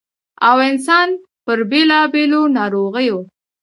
٫ او انسـان پـر بېـلابېـلو نـاروغـيو